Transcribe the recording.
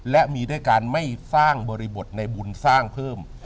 และมีด้วยการไม่สร้างบริบทในบุญสร้างเพิ่ม